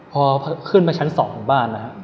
พอขึ้นมาชั้น๒ของบ้านนะครับ